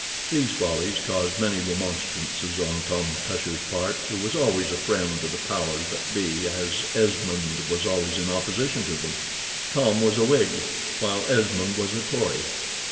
These follies caused many remonstrances on Tom Tusher's part, who was always a friend to the powers that be, as Esmond was always in opposition to them. Tom was a Whig, while Esmond was a Tory.